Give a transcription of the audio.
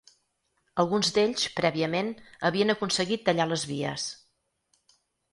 Alguns d’ells, prèviament, havien aconseguit tallar les vies.